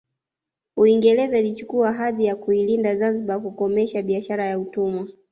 Uingereza ilichukua hadhi ya kuilinda Zanzibari kakomesha biashara ya utumwa